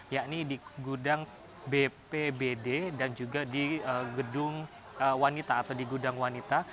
yakni di gudang bpbd dan juga di gedung wanita atau di gudang wanita